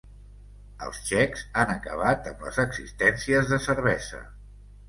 Els txecs han acabat amb les existències de cervesa.